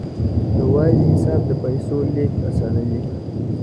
د وایز حساب د پیسو لیږد اسانوي.